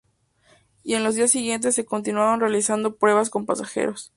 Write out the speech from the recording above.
Y en los días siguientes se continuaron realizando pruebas con pasajeros.